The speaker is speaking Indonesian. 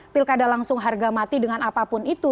pilkada langsung harga mati dengan apapun itu